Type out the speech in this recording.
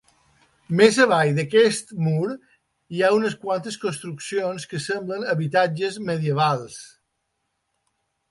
Més avall d'aquest mur hi ha unes quantes construccions que semblen habitatges medievals.